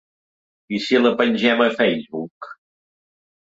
I si la pengem a Facebook?